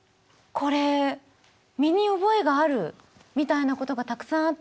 これ身に覚えがあるみたいなことがたくさんあって。